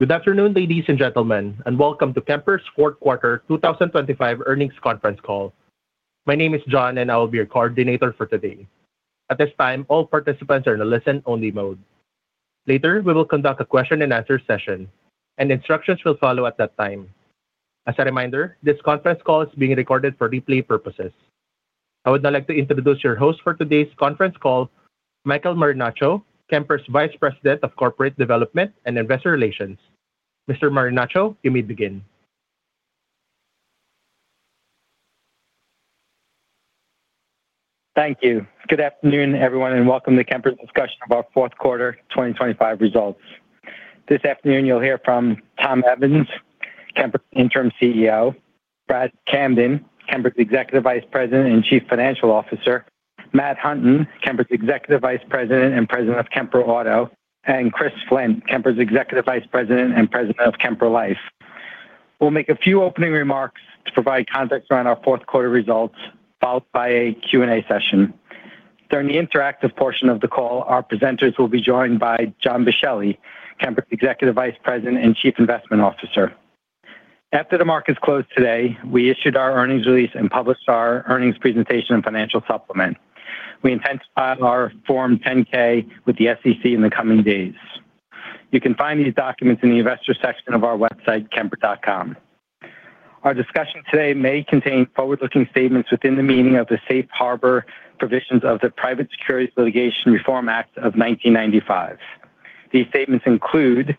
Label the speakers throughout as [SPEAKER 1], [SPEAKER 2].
[SPEAKER 1] Good afternoon, ladies and gentlemen, and welcome to Kemper's Fourth Quarter 2025 Earnings Conference Call. My name is John, and I will be your coordinator for today. At this time, all participants are in a listen-only mode. Later, we will conduct a question-and-answer session, and instructions will follow at that time. As a reminder, this conference call is being recorded for replay purposes. I would now like to introduce your host for today's conference call, Michael Marinaccio, Kemper's Vice President of Corporate Development and Investor Relations. Mr. Marinaccio, you may begin.
[SPEAKER 2] Thank you. Good afternoon, everyone, and welcome to Kemper's discussion of our fourth quarter 2025 results. This afternoon, you'll hear from Tom Evans, Kemper's interim CEO, Brad Camden, Kemper's Executive Vice President and Chief Financial Officer, Matt Hunton, Kemper's Executive Vice President and President of Kemper Auto, and Chris Flint, Kemper's Executive Vice President and President of Kemper Life. We'll make a few opening remarks to provide context around our fourth quarter results, followed by a Q&A session. During the interactive portion of the call, our presenters will be joined by John Boschelli, Kemper's Executive Vice President and Chief Investment Officer. After the markets close today, we issued our earnings release and published our earnings presentation and financial supplement. We intend to file our Form 10-K with the SEC in the coming days. You can find these documents in the investor section of our website, Kemper.com. Our discussion today may contain forward-looking statements within the meaning of the Safe Harbor provisions of the Private Securities Litigation Reform Act of 1995. These statements include,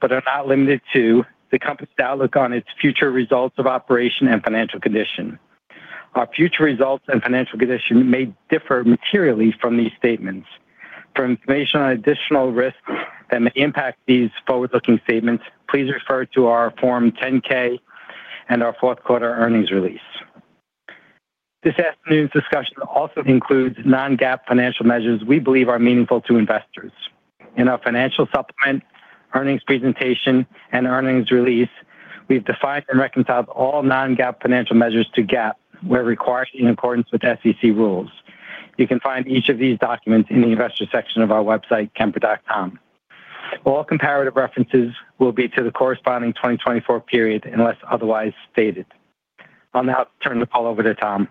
[SPEAKER 2] but are not limited to, the company's outlook on its future results of operation and financial condition. Our future results and financial condition may differ materially from these statements. For information on additional risks that may impact these forward-looking statements, please refer to our Form 10-K and our fourth quarter earnings release. This afternoon's discussion also includes non-GAAP financial measures we believe are meaningful to investors. In our financial supplement, earnings presentation, and earnings release, we've defined and reconciled all non-GAAP financial measures to GAAP, where required in accordance with SEC rules. You can find each of these documents in the investor section of our website, Kemper.com. All comparative references will be to the corresponding 2024 period unless otherwise stated. I'll now turn the call over to Tom.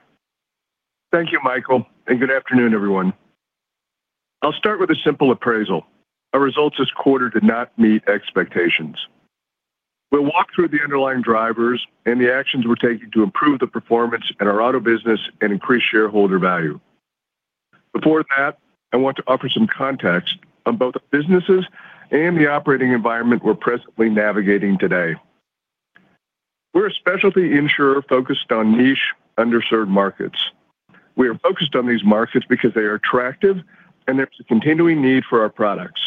[SPEAKER 3] Thank you, Michael, and good afternoon, everyone. I'll start with a simple appraisal: our results this quarter did not meet expectations. We'll walk through the underlying drivers and the actions we're taking to improve the performance in our auto business and increase shareholder value. Before that, I want to offer some context on both the businesses and the operating environment we're presently navigating today. We're a specialty insurer focused on niche, underserved markets. We are focused on these markets because they are attractive and there's a continuing need for our products.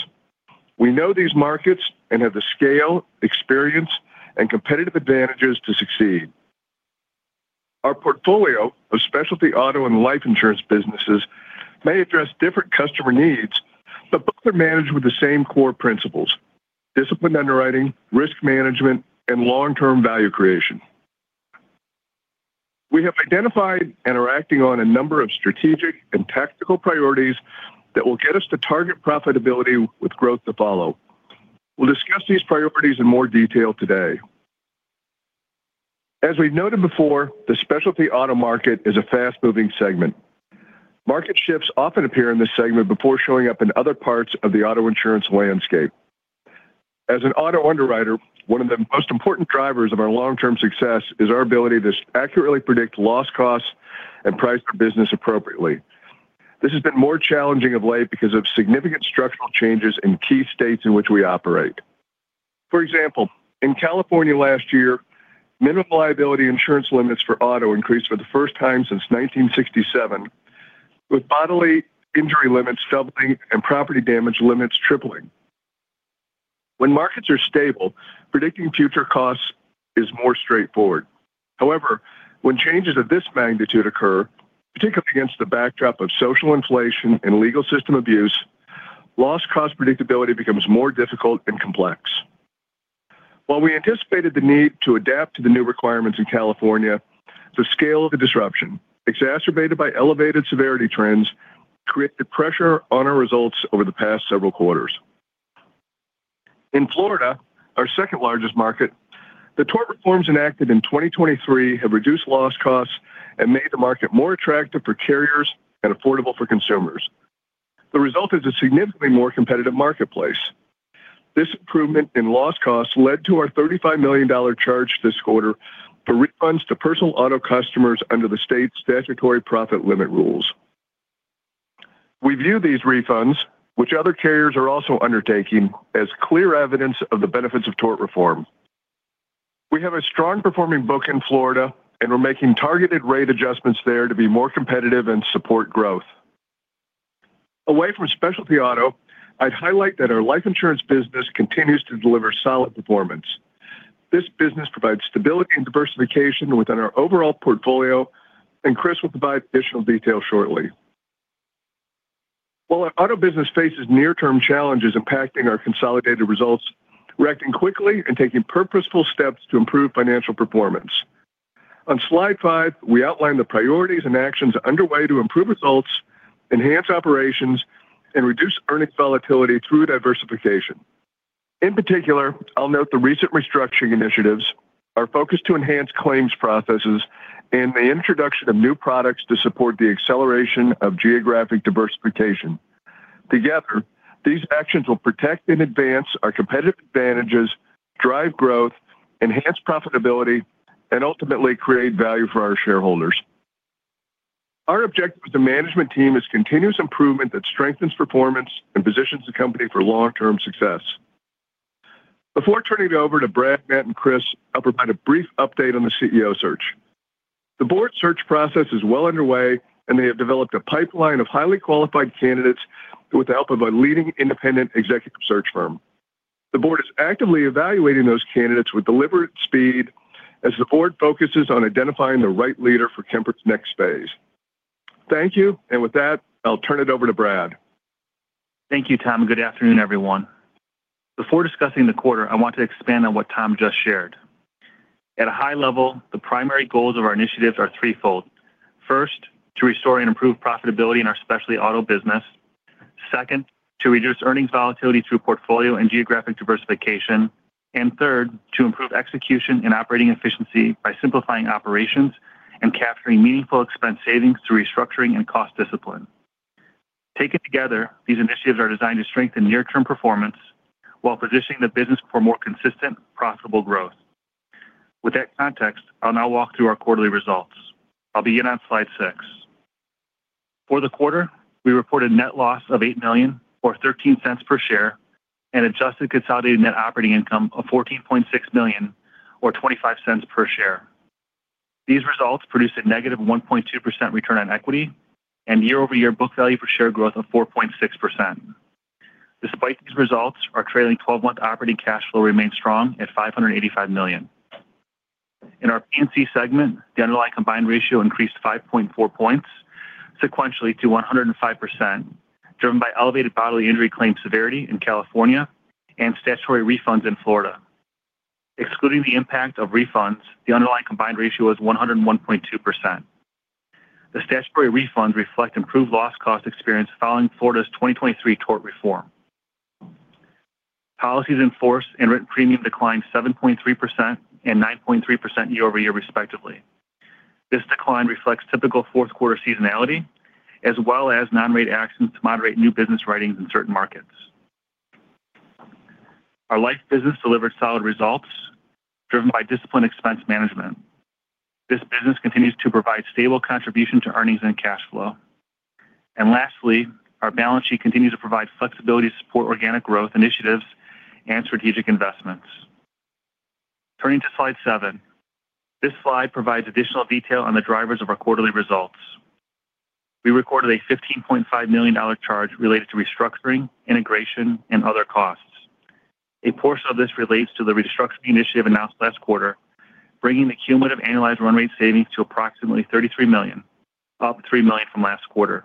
[SPEAKER 3] We know these markets and have the scale, experience, and competitive advantages to succeed. Our portfolio of specialty auto and life insurance businesses may address different customer needs, but both are managed with the same core principles: disciplined underwriting, risk management, and long-term value creation. We have identified and are acting on a number of strategic and tactical priorities that will get us to target profitability with growth to follow. We'll discuss these priorities in more detail today. As we've noted before, the specialty auto market is a fast-moving segment. Market shifts often appear in this segment before showing up in other parts of the auto insurance landscape. As an auto underwriter, one of the most important drivers of our long-term success is our ability to accurately predict loss costs and price our business appropriately. This has been more challenging of late because of significant structural changes in key states in which we operate. For example, in California last year, minimum liability insurance limits for auto increased for the first time since 1967, with bodily injury limits doubling and property damage limits tripling. When markets are stable, predicting future costs is more straightforward. However, when changes of this magnitude occur, particularly against the backdrop of social inflation and legal system abuse, loss cost predictability becomes more difficult and complex. While we anticipated the need to adapt to the new requirements in California, the scale of the disruption, exacerbated by elevated severity trends, created pressure on our results over the past several quarters. In Florida, our second-largest market, the tort reforms enacted in 2023 have reduced loss costs and made the market more attractive for carriers and affordable for consumers. The result is a significantly more competitive marketplace. This improvement in loss costs led to our $35 million charge this quarter for refunds to personal auto customers under the state's statutory profit limit rules. We view these refunds, which other carriers are also undertaking, as clear evidence of the benefits of tort reform. We have a strong-performing book in Florida, and we're making targeted rate adjustments there to be more competitive and support growth. Away from specialty auto, I'd highlight that our life insurance business continues to deliver solid performance. This business provides stability and diversification within our overall portfolio, and Chris will provide additional detail shortly. While our auto business faces near-term challenges impacting our consolidated results, we're acting quickly and taking purposeful steps to improve financial performance. On slide 5, we outline the priorities and actions underway to improve results, enhance operations, and reduce earnings volatility through diversification. In particular, I'll note the recent restructuring initiatives, our focus to enhance claims processes, and the introduction of new products to support the acceleration of geographic diversification. Together, these actions will protect and advance our competitive advantages, drive growth, enhance profitability, and ultimately create value for our shareholders. Our objective as a management team is continuous improvement that strengthens performance and positions the company for long-term success. Before turning it over to Brad, Matt, and Chris, I'll provide a brief update on the CEO search. The board search process is well underway, and they have developed a pipeline of highly qualified candidates with the help of a leading independent executive search firm. The board is actively evaluating those candidates with deliberate speed as the board focuses on identifying the right leader for Kemper's next phase. Thank you, and with that, I'll turn it over to Brad.
[SPEAKER 4] Thank you, Tom. Good afternoon, everyone. Before discussing the quarter, I want to expand on what Tom just shared. At a high level, the primary goals of our initiatives are threefold. First, to restore and improve profitability in our specialty auto business. Second, to reduce earnings volatility through portfolio and geographic diversification. And third, to improve execution and operating efficiency by simplifying operations and capturing meaningful expense savings through restructuring and cost discipline. Taken together, these initiatives are designed to strengthen near-term performance while positioning the business for more consistent, profitable growth. With that context, I'll now walk through our quarterly results. I'll begin on slide 6. For the quarter, we reported net loss of $8 million or $0.13 per share and adjusted consolidated net operating income of $14.6 million or $0.25 per share. These results produced a negative 1.2% return on equity and year-over-year book value per share growth of 4.6%. Despite these results, our trailing 12-month operating cash flow remained strong at $585 million. In our P&C segment, the underlying combined ratio increased 5.4 points sequentially to 105%, driven by elevated bodily injury claim severity in California and statutory refunds in Florida. Excluding the impact of refunds, the underlying combined ratio was 101.2%. The statutory refunds reflect improved loss cost experience following Florida's 2023 tort reform. Policies in force and written premium declined 7.3% and 9.3% year-over-year, respectively. This decline reflects typical fourth quarter seasonality as well as non-rate actions to moderate new business writings in certain markets. Our life business delivered solid results driven by disciplined expense management. This business continues to provide stable contribution to earnings and cash flow. Lastly, our balance sheet continues to provide flexibility to support organic growth initiatives and strategic investments. Turning to slide seven. This slide provides additional detail on the drivers of our quarterly results. We recorded a $15.5 million charge related to restructuring, integration, and other costs. A portion of this relates to the restructuring initiative announced last quarter, bringing the cumulative annualized run rate savings to approximately $33 million, up $3 million from last quarter.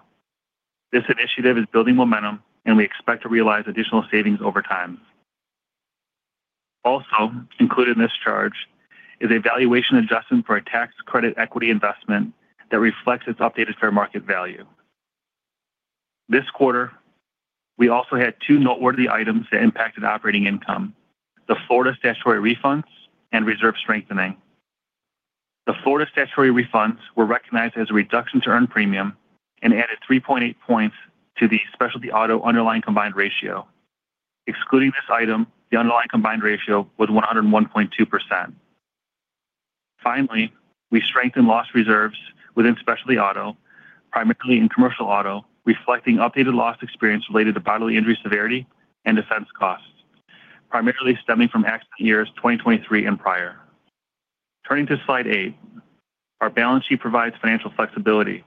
[SPEAKER 4] This initiative is building momentum, and we expect to realize additional savings over time. Also included in this charge is a valuation adjustment for a tax credit equity investment that reflects its updated fair market value. This quarter, we also had two noteworthy items that impacted operating income: the Florida statutory refunds and reserve strengthening. The Florida statutory refunds were recognized as a reduction to earned premium and added 3.8 points to the specialty auto underlying combined ratio. Excluding this item, the underlying combined ratio was 101.2%. Finally, we strengthened loss reserves within specialty auto, primarily in commercial auto, reflecting updated loss experience related to bodily injury severity and defense costs, primarily stemming from accident years 2023 and prior. Turning to slide eight. Our balance sheet provides financial flexibility.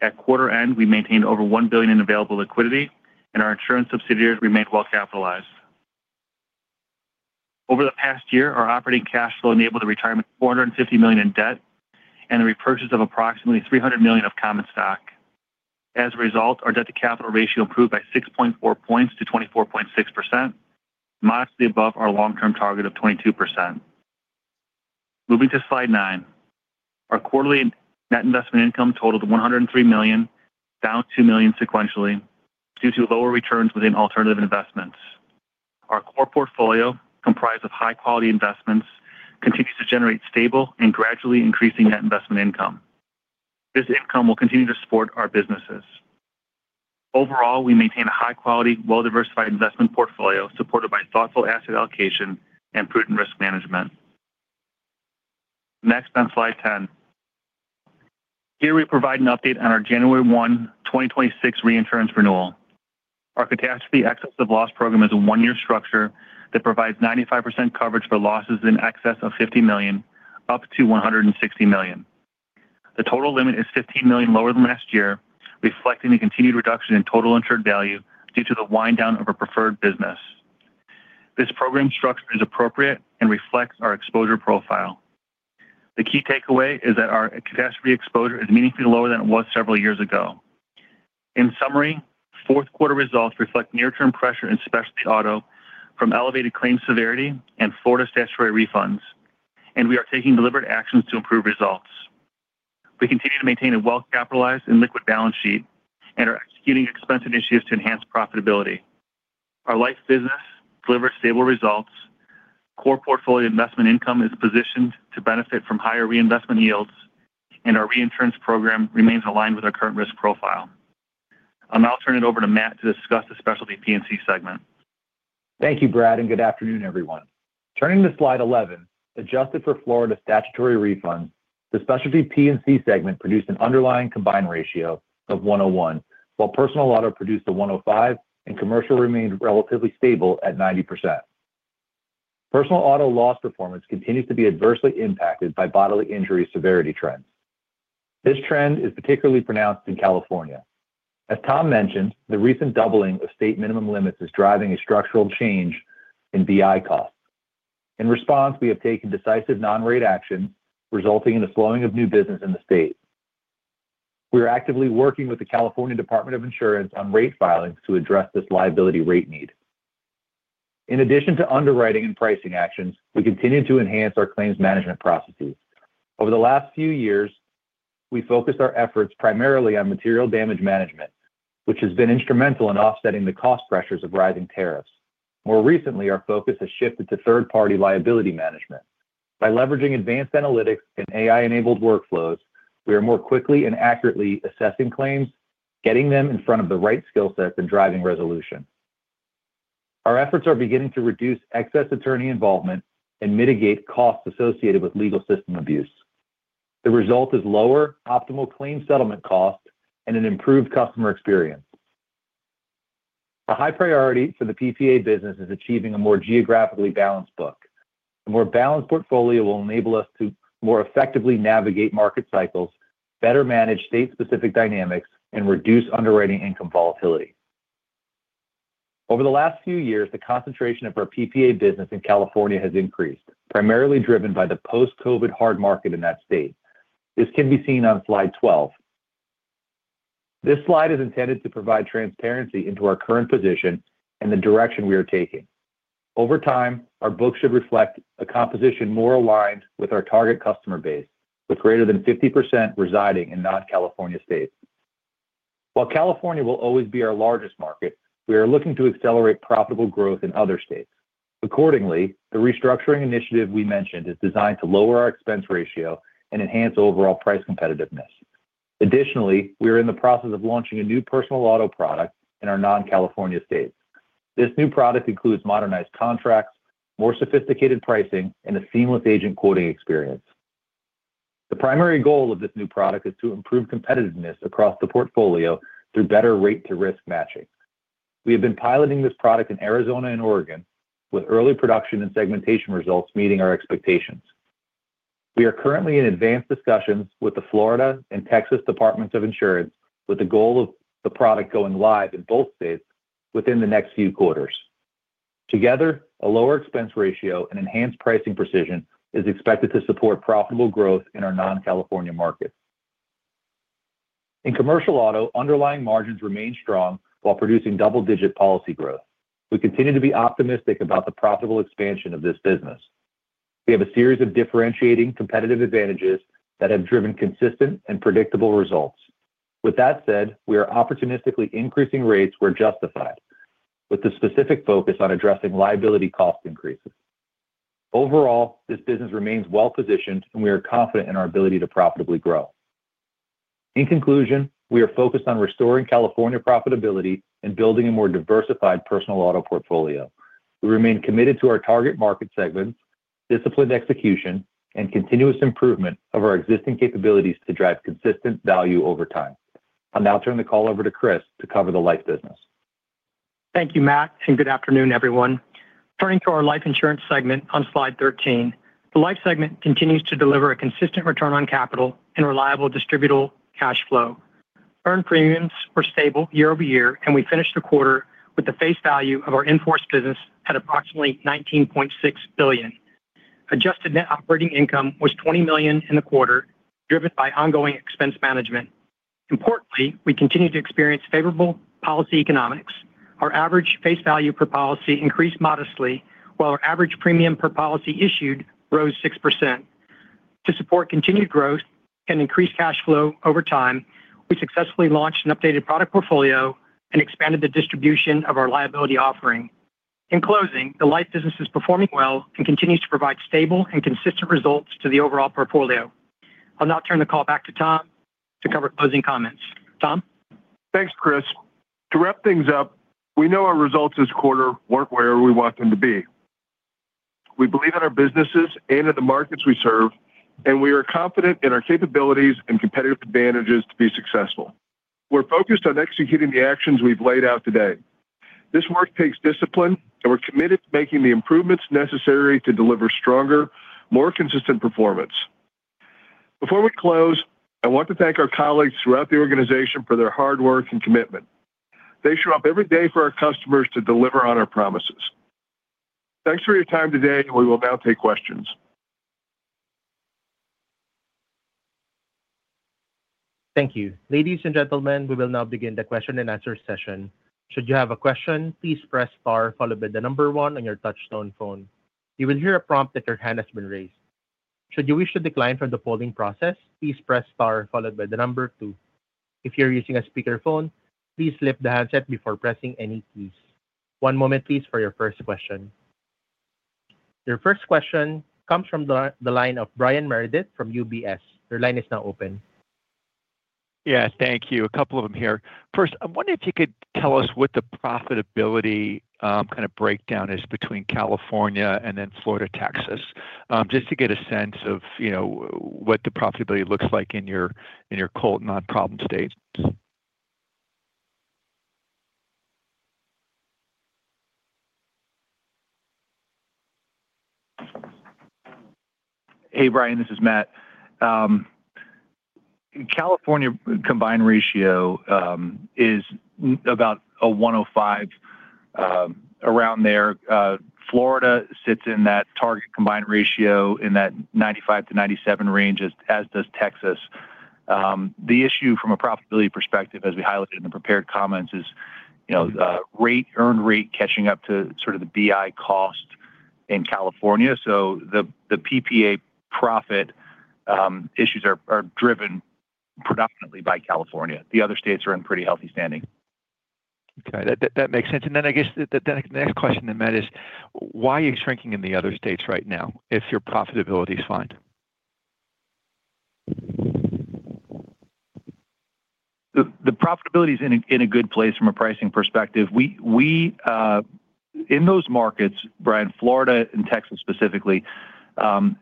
[SPEAKER 4] At quarter end, we maintained over $1 billion in available liquidity, and our insurance subsidiaries remained well capitalized. Over the past year, our operating cash flow enabled the retirement of $450 million in debt and the repurchase of approximately $300 million of common stock. As a result, our debt-to-capital ratio improved by 6.4 points to 24.6%, modestly above our long-term target of 22%. Moving to slide nine. Our quarterly net investment income totaled $103 million, down $2 million sequentially due to lower returns within alternative investments. Our core portfolio, comprised of high-quality investments, continues to generate stable and gradually increasing net investment income. This income will continue to support our businesses. Overall, we maintain a high-quality, well-diversified investment portfolio supported by thoughtful asset allocation and prudent risk management. Next, on slide 10. Here, we provide an update on our January 1, 2026, reinsurance renewal. Our catastrophe excess of loss program is a one-year structure that provides 95% coverage for losses in excess of $50 million, up to $160 million. The total limit is $15 million lower than last year, reflecting the continued reduction in total insured value due to the wind-down of a preferred business. This program structure is appropriate and reflects our exposure profile. The key takeaway is that our catastrophe exposure is meaningfully lower than it was several years ago. In summary, fourth quarter results reflect near-term pressure in specialty auto from elevated claim severity and Florida statutory refunds, and we are taking deliberate actions to improve results. We continue to maintain a well-capitalized and liquid balance sheet and are executing expense initiatives to enhance profitability. Our life business delivers stable results. Core portfolio investment income is positioned to benefit from higher reinvestment yields, and our reinsurance program remains aligned with our current risk profile. I'll now turn it over to Matt to discuss the specialty P&C segment.
[SPEAKER 5] Thank you, Brad, and good afternoon, everyone. Turning to slide 11. Adjusted for Florida statutory refunds, the specialty P&C segment produced an underlying combined ratio of 101%, while personal auto produced a 105% and commercial remained relatively stable at 90%. Personal auto loss performance continues to be adversely impacted by bodily injury severity trends. This trend is particularly pronounced in California. As Tom mentioned, the recent doubling of state minimum limits is driving a structural change in BI costs. In response, we have taken decisive non-rate actions, resulting in the slowing of new business in the state. We are actively working with the California Department of Insurance on rate filings to address this liability rate need. In addition to underwriting and pricing actions, we continue to enhance our claims management processes. Over the last few years, we focused our efforts primarily on material damage management, which has been instrumental in offsetting the cost pressures of rising tariffs. More recently, our focus has shifted to third-party liability management. By leveraging advanced analytics and AI-enabled workflows, we are more quickly and accurately assessing claims, getting them in front of the right skill sets, and driving resolution. Our efforts are beginning to reduce excess attorney involvement and mitigate costs associated with legal system abuse. The result is lower optimal claim settlement costs and an improved customer experience. A high priority for the PPA business is achieving a more geographically balanced book. A more balanced portfolio will enable us to more effectively navigate market cycles, better manage state-specific dynamics, and reduce underwriting income volatility. Over the last few years, the concentration of our PPA business in California has increased, primarily driven by the post-COVID hard market in that state. This can be seen on slide 12. This slide is intended to provide transparency into our current position and the direction we are taking. Over time, our book should reflect a composition more aligned with our target customer base, with greater than 50% residing in non-California states. While California will always be our largest market, we are looking to accelerate profitable growth in other states. Accordingly, the restructuring initiative we mentioned is designed to lower our expense ratio and enhance overall price competitiveness. Additionally, we are in the process of launching a new personal auto product in our non-California states. This new product includes modernized contracts, more sophisticated pricing, and a seamless agent quoting experience. The primary goal of this new product is to improve competitiveness across the portfolio through better rate-to-risk matching. We have been piloting this product in Arizona and Oregon, with early production and segmentation results meeting our expectations. We are currently in advanced discussions with the Florida and Texas Departments of Insurance with the goal of the product going live in both states within the next few quarters. Together, a lower expense ratio and enhanced pricing precision is expected to support profitable growth in our non-California markets. In commercial auto, underlying margins remain strong while producing double-digit policy growth. We continue to be optimistic about the profitable expansion of this business. We have a series of differentiating competitive advantages that have driven consistent and predictable results. With that said, we are opportunistically increasing rates where justified, with the specific focus on addressing liability cost increases. Overall, this business remains well positioned, and we are confident in our ability to profitably grow. In conclusion, we are focused on restoring California profitability and building a more diversified personal auto portfolio. We remain committed to our target market segments, disciplined execution, and continuous improvement of our existing capabilities to drive consistent value over time. I'll now turn the call over to Chris to cover the life business.
[SPEAKER 6] Thank you, Matt, and good afternoon, everyone. Turning to our life insurance segment on slide 13. The life segment continues to deliver a consistent return on capital and reliable distributable cash flow. Earned premiums were stable year-over-year, and we finished the quarter with the face value of our in-force business at approximately $19.6 billion. Adjusted net operating income was $20 million in the quarter, driven by ongoing expense management. Importantly, we continue to experience favorable policy economics. Our average face value per policy increased modestly, while our average premium per policy issued rose 6%. To support continued growth and increased cash flow over time, we successfully launched an updated product portfolio and expanded the distribution of our liability offering. In closing, the life business is performing well and continues to provide stable and consistent results to the overall portfolio. I'll now turn the call back to Tom to cover closing comments. Tom?
[SPEAKER 3] Thanks, Chris. To wrap things up, we know our results this quarter weren't where we want them to be. We believe in our businesses and in the markets we serve, and we are confident in our capabilities and competitive advantages to be successful. We're focused on executing the actions we've laid out today. This work takes discipline, and we're committed to making the improvements necessary to deliver stronger, more consistent performance. Before we close, I want to thank our colleagues throughout the organization for their hard work and commitment. They show up every day for our customers to deliver on our promises. Thanks for your time today, and we will now take questions.
[SPEAKER 1] Thank you. Ladies and gentlemen, we will now begin the question-and-answer session. Should you have a question, please press star followed by one on your touch-tone phone. You will hear a prompt that your hand has been raised. Should you wish to decline from the polling process, please press star followed by two. If you're using a speakerphone, please flip the handset before pressing any keys. One moment, please, for your first question. Your first question comes from the line of Brian Meredith from UBS. Your line is now open.
[SPEAKER 7] Yes, thank you. A couple of them here. First, I'm wondering if you could tell us what the profitability kind of breakdown is between California and then Florida, Texas, just to get a sense of what the profitability looks like in your other non-problem states.
[SPEAKER 5] Hey, Brian. This is Matt. California combined ratio is about a 105, around there. Florida sits in that target combined ratio in that 95 to 97 range, as does Texas. The issue from a profitability perspective, as we highlighted in the prepared comments, is earned rate catching up to sort of the BI cost in California. So the PPA profit issues are driven predominantly by California. The other states are in pretty healthy standing.
[SPEAKER 7] Okay. That makes sense. And then I guess the next question then, Matt, is why are you shrinking in the other states right now if your profitability is fine?
[SPEAKER 5] The profitability is in a good place from a pricing perspective. In those markets, Brian, Florida and Texas specifically,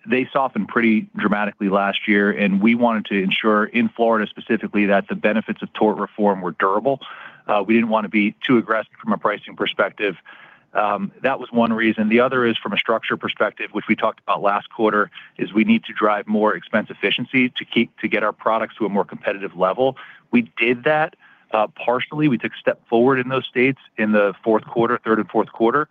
[SPEAKER 5] they softened pretty dramatically last year, and we wanted to ensure in Florida specifically that the benefits of tort reform were durable. We didn't want to be too aggressive from a pricing perspective. That was one reason. The other is from a structure perspective, which we talked about last quarter, is we need to drive more expense efficiency to get our products to a more competitive level. We did that partially. We took a step forward in those states in the fourth quarter, third and fourth quarter.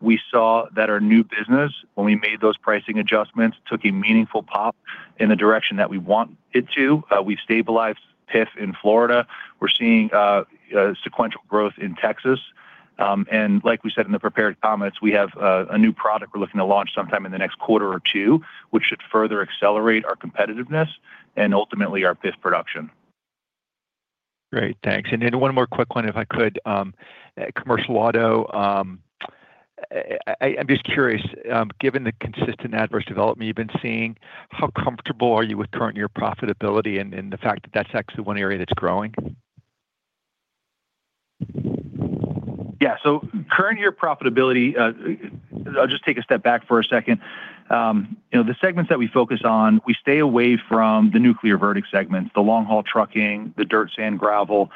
[SPEAKER 5] We saw that our new business, when we made those pricing adjustments, took a meaningful pop in the direction that we want it to. We've stabilized PIF in Florida. We're seeing sequential growth in Texas. And like we said in the prepared comments, we have a new product we're looking to launch sometime in the next quarter or two, which should further accelerate our competitiveness and ultimately our PIF production.
[SPEAKER 7] Great. Thanks. And then one more quick one, if I could. Commercial auto, I'm just curious, given the consistent adverse development you've been seeing, how comfortable are you with current year profitability and the fact that that's actually one area that's growing?
[SPEAKER 5] Yeah. So current year profitability, I'll just take a step back for a second. The segments that we focus on, we stay away from the nuclear verdict segments, the long-haul trucking, the dirt, sand, gravel.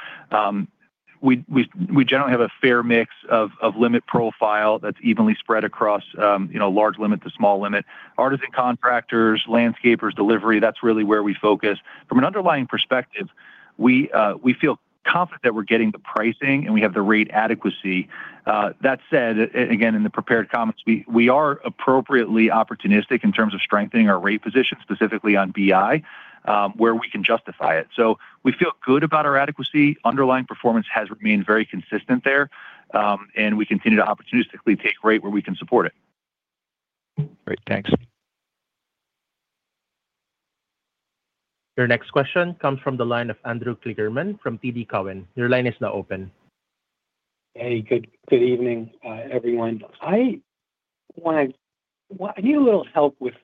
[SPEAKER 5] We generally have a fair mix of limit profile that's evenly spread across large limit to small limit, artisan contractors, landscapers, delivery. That's really where we focus. From an underlying perspective, we feel confident that we're getting the pricing and we have the rate adequacy. That said, again, in the prepared comments, we are appropriately opportunistic in terms of strengthening our rate position specifically on BI where we can justify it. So we feel good about our adequacy. Underlying performance has remained very consistent there, and we continue to opportunistically take rate where we can support it.
[SPEAKER 7] Great. Thanks. Your next question comes from the line of Andrew Kligerman from TD Cowen. Your line is now open.
[SPEAKER 8] Hey, good evening, everyone. I need a little help with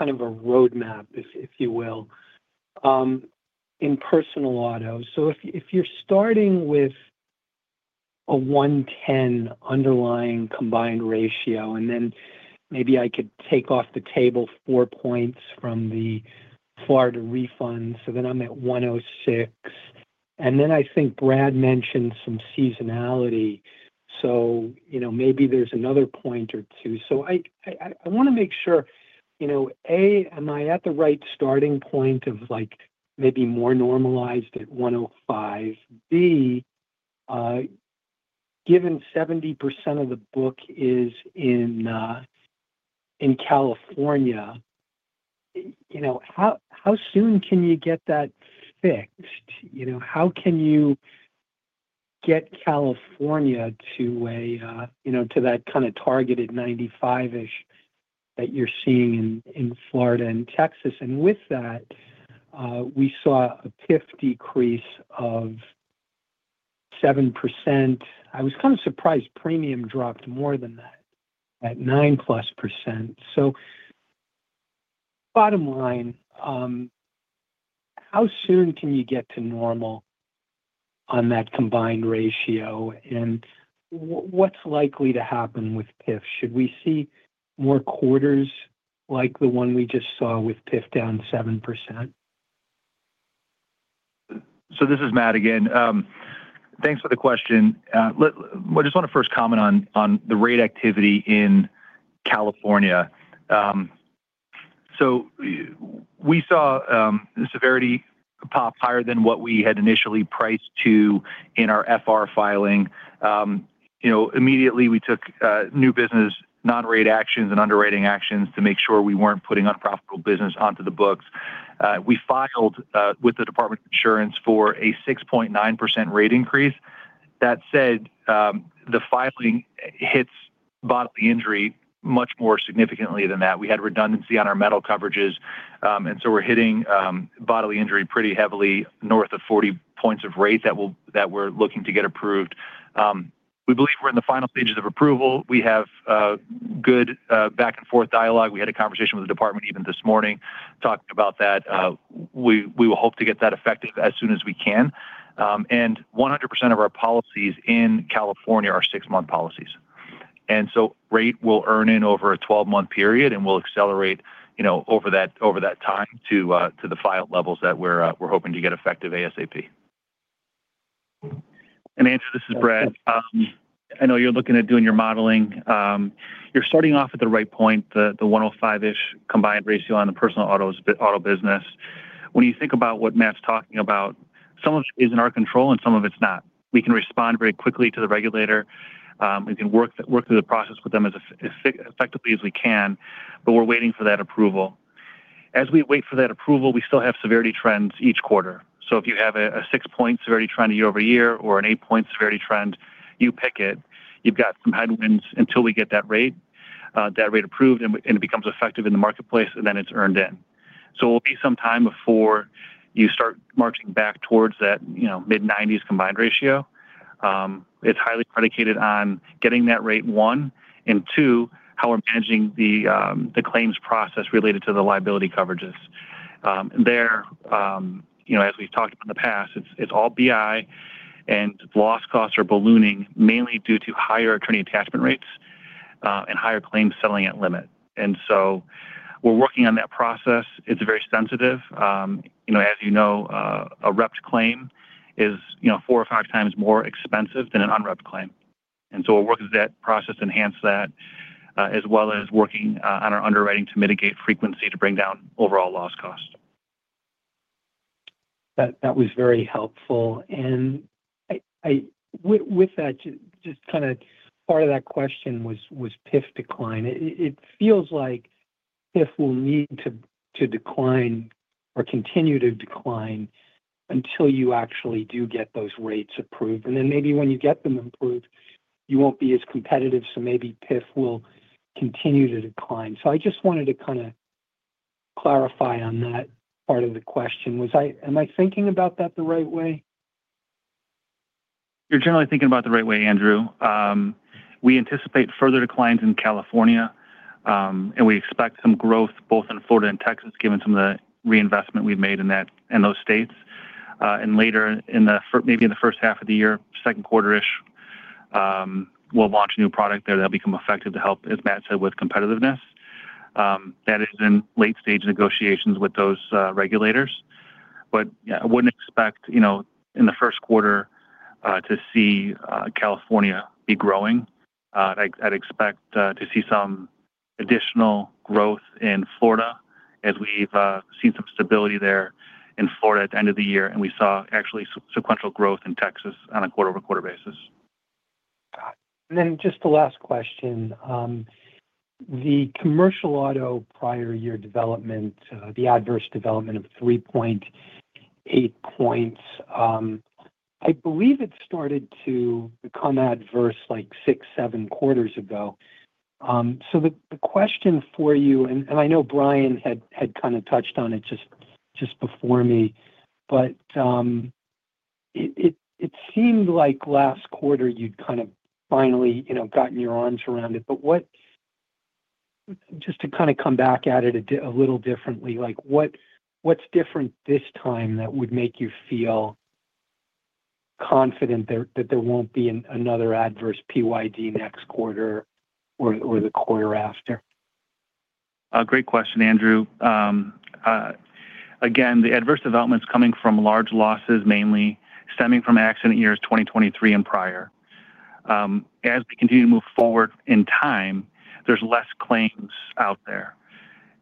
[SPEAKER 8] kind of a roadmap, if you will, in personal auto. So if you're starting with a 110 underlying combined ratio, and then maybe I could take off the table four points from the Florida refund, so then I'm at 106. And then I think Brad mentioned some seasonality, so maybe there's another one point or two. So I want to make sure, A, am I at the right starting point of maybe more normalized at 105B, given 70% of the book is in California, how soon can you get that fixed? How can you get California to that kind of targeted 95-ish that you're seeing in Florida and Texas? And with that, we saw a PIF decrease of 7%. I was kind of surprised premium dropped more than that, at 9+%. Bottom line, how soon can you get to normal on that Combined Ratio, and what's likely to happen with PIF? Should we see more quarters like the one we just saw with PIF down 7%?
[SPEAKER 5] So this is Matt again. Thanks for the question. I just want to first comment on the rate activity in California. So we saw the severity pop higher than what we had initially priced to in our prior filing. Immediately, we took new business non-rate actions and underwriting actions to make sure we weren't putting unprofitable business onto the books. We filed with the Department of Insurance for a 6.9% rate increase. That said, the filing hits bodily injury much more significantly than that. We had redundancy on our material coverages, and so we're hitting bodily injury pretty heavily north of 40 points of rate that we're looking to get approved. We believe we're in the final stages of approval. We have good back-and-forth dialogue. We had a conversation with the department even this morning talking about that. We will hope to get that effective as soon as we can. 100% of our policies in California are six-month policies. And so, rate will earn in over a 12-month period, and we'll accelerate over that time to the file levels that we're hoping to get effective ASAP. And Andrew, this is Brad. I know you're looking at doing your modeling. You're starting off at the right point, the 105-ish combined ratio on the personal auto business. When you think about what Matt's talking about, some of it is in our control, and some of it's not. We can respond very quickly to the regulator. We can work through the process with them as effectively as we can, but we're waiting for that approval. As we wait for that approval, we still have severity trends each quarter. So if you have a six-point severity trend year-over-year or an eight-point severity trend, you pick it. You've got some headwinds until we get that rate approved, and it becomes effective in the marketplace, and then it's earned in. So it will be some time before you start marching back towards that mid-90s combined ratio. It's highly predicated on getting that rate one, and two, how we're managing the claims process related to the liability coverages. There, as we've talked about in the past, it's all BI, and loss costs are ballooning mainly due to higher attorney attachment rates and higher claims settling at limit. And so we're working on that process. It's very sensitive. As you know, a repped claim is four or five times more expensive than an unrepped claim. And so we'll work as that process enhance that, as well as working on our underwriting to mitigate frequency to bring down overall loss cost.
[SPEAKER 8] That was very helpful. With that, just kind of part of that question was PIF decline. It feels like PIF will need to decline or continue to decline until you actually do get those rates approved. Then maybe when you get them approved, you won't be as competitive, so maybe PIF will continue to decline. I just wanted to kind of clarify on that part of the question. Am I thinking about that the right way?
[SPEAKER 4] You're generally thinking about the right way, Andrew. We anticipate further declines in California, and we expect some growth both in Florida and Texas given some of the reinvestment we've made in those states. Later, maybe in the first half of the year, second quarter-ish, we'll launch a new product there that'll become effective to help, as Matt said, with competitiveness. That is in late-stage negotiations with those regulators. But I wouldn't expect in the first quarter to see California be growing. I'd expect to see some additional growth in Florida as we've seen some stability there in Florida at the end of the year, and we saw actually sequential growth in Texas on a quarter-over-quarter basis.
[SPEAKER 8] Got it. Then just the last question. The commercial auto prior year development, the adverse development of 3.8 points, I believe it started to become adverse like six, seven quarters ago. So the question for you, and I know Brian had kind of touched on it just before me, but it seemed like last quarter you'd kind of finally gotten your arms around it. But just to kind of come back at it a little differently, what's different this time that would make you feel confident that there won't be another adverse PYD next quarter or the quarter after?
[SPEAKER 5] Great question, Andrew. Again, the adverse development's coming from large losses, mainly stemming from accident years 2023 and prior. As we continue to move forward in time, there's less claims out there.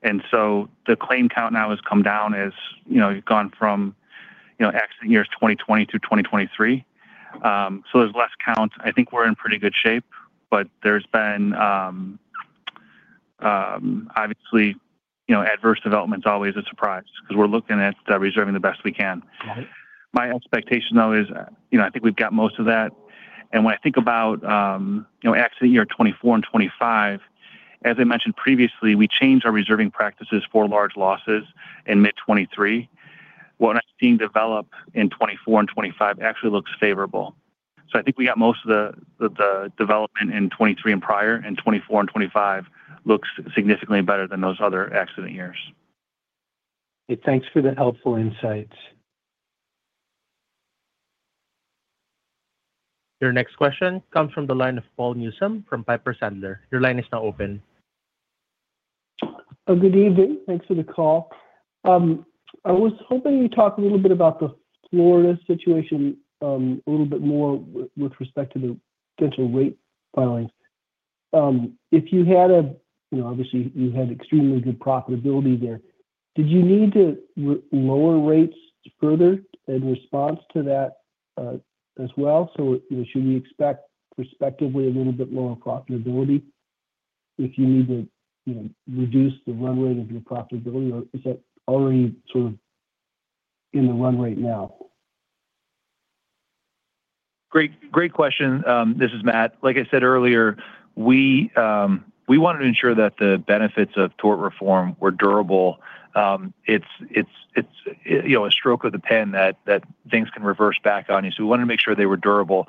[SPEAKER 5] And so the claim count now has come down. It's gone from accident years 2020 to 2023. So there's less count. I think we're in pretty good shape, but there's been obviously, adverse development's always a surprise because we're looking at reserving the best we can. My expectation, though, is I think we've got most of that. And when I think about accident year 2024 and 2025, as I mentioned previously, we changed our reserving practices for large losses in mid-2023. What I'm seeing develop in 2024 and 2025 actually looks favorable. So I think we got most of the development in 2023 and prior, and 2024 and 2025 looks significantly better than those other accident years.
[SPEAKER 8] Hey, thanks for the helpful insights.
[SPEAKER 1] Your next question comes from the line of Paul Newsome from Piper Sandler. Your line is now open.
[SPEAKER 9] Good evening. Thanks for the call. I was hoping you'd talk a little bit about the Florida situation a little bit more with respect to the potential rate filings. If you had, obviously, you had extremely good profitability there. Did you need to lower rates further in response to that as well? So should we expect, respectively, a little bit lower profitability if you need to reduce the run rate of your profitability, or is that already sort of in the run right now?
[SPEAKER 5] Great question. This is Matt. Like I said earlier, we wanted to ensure that the benefits of tort reform were durable. It's a stroke of the pen that things can reverse back on you. So we wanted to make sure they were durable.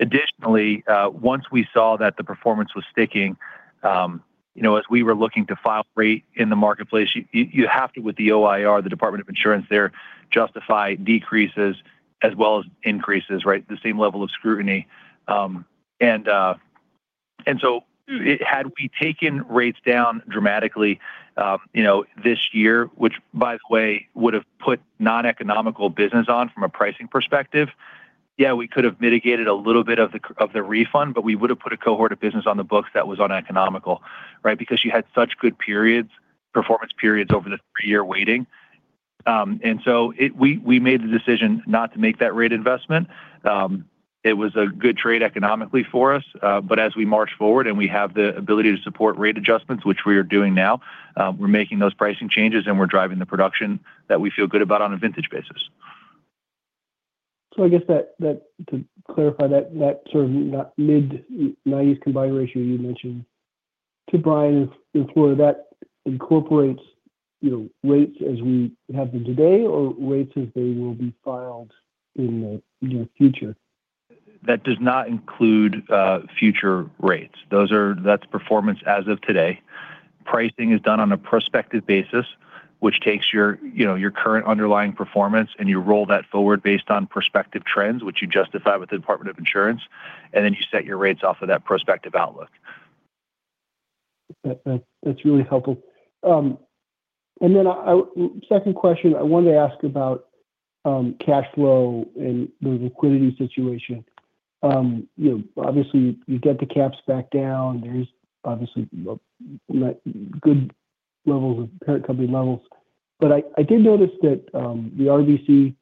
[SPEAKER 5] Additionally, once we saw that the performance was sticking, as we were looking to file rate in the marketplace, you have to, with the OIR, the Department of Insurance there, justify decreases as well as increases, right, the same level of scrutiny. And so had we taken rates down dramatically this year, which, by the way, would have put non-economical business on from a pricing perspective, yeah, we could have mitigated a little bit of the refund, but we would have put a cohort of business on the books that was uneconomical, right, because you had such good performance periods over the three-year waiting. So we made the decision not to make that rate investment. It was a good trade economically for us. As we march forward and we have the ability to support rate adjustments, which we are doing now, we're making those pricing changes, and we're driving the production that we feel good about on a vintage basis.
[SPEAKER 9] I guess to clarify that sort of mid-90s combined ratio you mentioned, to Brian in Florida, that incorporates rates as we have them today or rates as they will be filed in the near future?
[SPEAKER 5] That does not include future rates. That's performance as of today. Pricing is done on a prospective basis, which takes your current underlying performance and you roll that forward based on prospective trends, which you justify with the Department of Insurance, and then you set your rates off of that prospective outlook.
[SPEAKER 9] That's really helpful. Then second question, I wanted to ask about cash flow and the liquidity situation. Obviously, you get the caps back down. There's obviously good levels of parent company levels. But I did notice that the RBC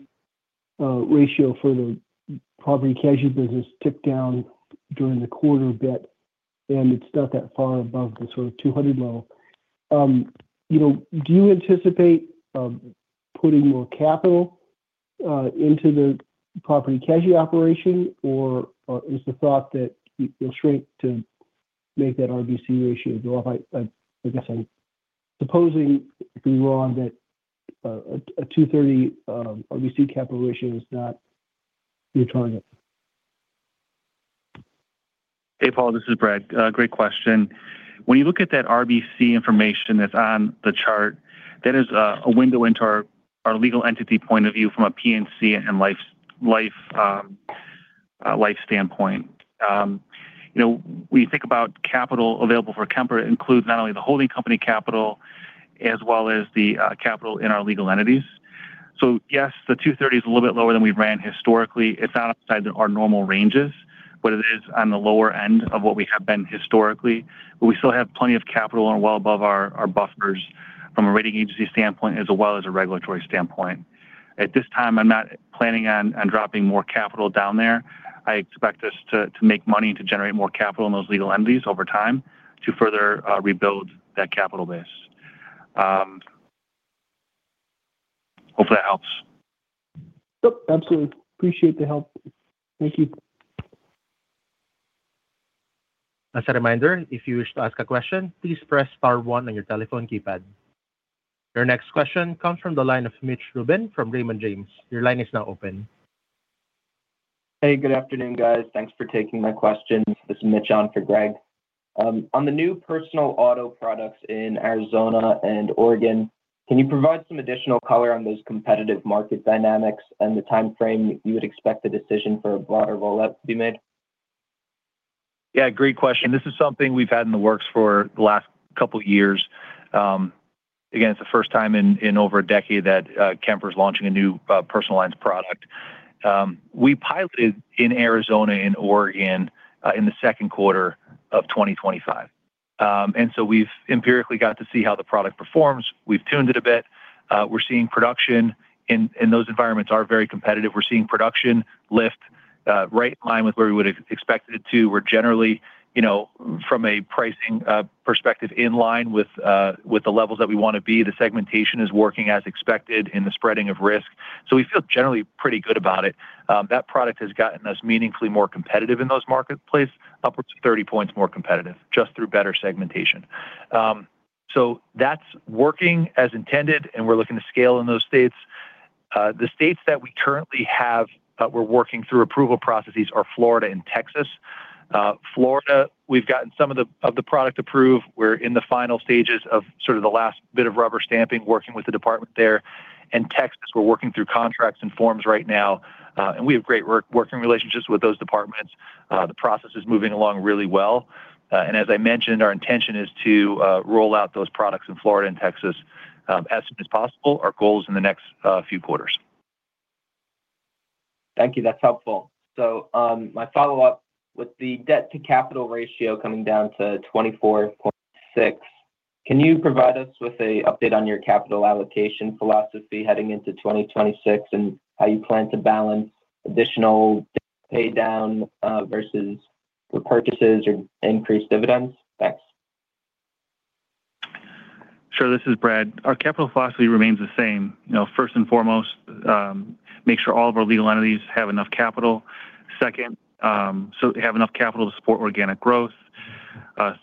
[SPEAKER 9] ratio for the property casualty business ticked down during the quarter, but it's not that far above the sort of 200 level. Do you anticipate putting more capital into the property casualty operation, or is the thought that you'll shrink to make that RBC ratio go up? I guess I'm supposing, if I'm wrong, that a 230 RBC capital ratio is not your target.
[SPEAKER 5] Hey, Paul. This is Brad. Great question. When you look at that RBC information that's on the chart, that is a window into our legal entity point of view from a P&C and life standpoint. When you think about capital available for Kemper, it includes not only the holding company capital as well as the capital in our legal entities. So yes, the 230 is a little bit lower than we've ran historically. It's not outside our normal ranges, but it is on the lower end of what we have been historically. But we still have plenty of capital and well above our buffers from a rating agency standpoint as well as a regulatory standpoint. At this time, I'm not planning on dropping more capital down there. I expect us to make money and to generate more capital in those legal entities over time to further rebuild that capital base. Hope that helps.
[SPEAKER 9] Yep, absolutely. Appreciate the help. Thank you.
[SPEAKER 1] As a reminder, if you wish to ask a question, please press star one on your telephone keypad. Your next question comes from the line of Mitch Rubin from Raymond James. Your line is now open.
[SPEAKER 10] Hey, good afternoon, guys. Thanks for taking my questions. This is Mitch on for Greg. On the new personal auto products in Arizona and Oregon, can you provide some additional color on those competitive market dynamics and the timeframe you would expect the decision for a broader rollout to be made?
[SPEAKER 5] Yeah, great question. This is something we've had in the works for the last couple of years. Again, it's the first time in over a decade that Kemper's launching a new personal lines product. We piloted in Arizona and Oregon in the second quarter of 2025. And so we've empirically got to see how the product performs. We've tuned it a bit. We're seeing production in those environments are very competitive. We're seeing production lift right in line with where we would have expected it to. We're generally, from a pricing perspective, in line with the levels that we want to be. The segmentation is working as expected in the spreading of risk. So we feel generally pretty good about it. That product has gotten us meaningfully more competitive in those marketplace, upwards of 30 points more competitive just through better segmentation. So that's working as intended, and we're looking to scale in those states. The states that we currently have we're working through approval processes are Florida and Texas. Florida, we've gotten some of the product approved. We're in the final stages of sort of the last bit of rubber stamping, working with the department there. And Texas, we're working through contracts and forms right now. And we have great working relationships with those departments. The process is moving along really well. And as I mentioned, our intention is to roll out those products in Florida and Texas as soon as possible, our goals in the next few quarters.
[SPEAKER 10] Thank you. That's helpful. So my follow-up with the debt-to-capital ratio coming down to 24.6, can you provide us with an update on your capital allocation philosophy heading into 2026 and how you plan to balance additional paydown versus repurchases or increased dividends? Thanks.
[SPEAKER 5] Sure. This is Brad. Our capital philosophy remains the same. First and foremost, make sure all of our legal entities have enough capital. Second, have enough capital to support organic growth.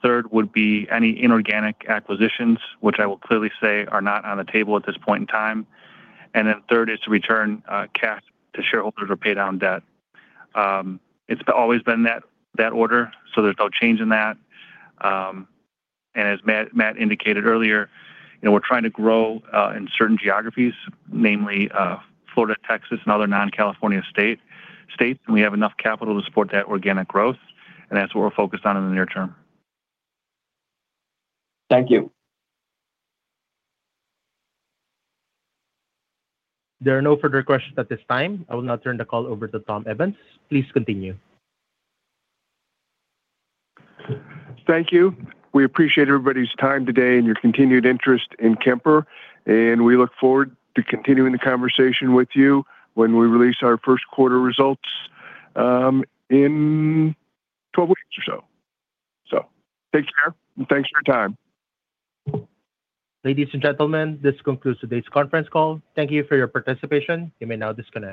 [SPEAKER 5] Third would be any inorganic acquisitions, which I will clearly say are not on the table at this point in time. And then third is to return cash to shareholders or pay down debt. It's always been that order, so there's no change in that. As Matt indicated earlier, we're trying to grow in certain geographies, namely Florida, Texas, and other non-California states. We have enough capital to support that organic growth, and that's what we're focused on in the near term.
[SPEAKER 10] Thank you.
[SPEAKER 1] There are no further questions at this time. I will now turn the call over to Tom Evans. Please continue.
[SPEAKER 3] Thank you. We appreciate everybody's time today and your continued interest in Kemper. We look forward to continuing the conversation with you when we release our first quarter results in 12 weeks or so. Take care, and thanks for your time.
[SPEAKER 1] Ladies and gentlemen, this concludes today's conference call. Thank you for your participation. You may now disconnect.